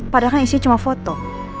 padahal kan isinya cuma foto